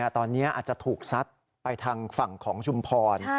ตอนนี้อาจจะถูกซัดไปทางฝั่งของชุมพร